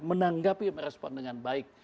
menanggapi merespon dengan baik